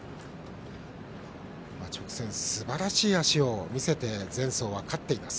直線、すばらしい脚を見せて前走は勝っています。